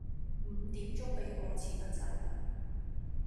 五點鐘畀我遲得滯喇